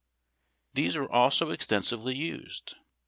These were also extensively used.